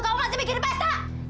kamu masih bikin pesta